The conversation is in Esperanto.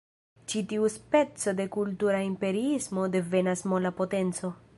Ĉi tiu speco de kultura imperiismo devenas "mola potenco".